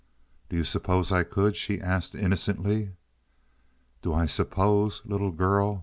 "Do you suppose I could?" she asked innocently. "Do I suppose, little girl?"